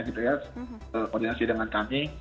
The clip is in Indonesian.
koordinasi dengan kami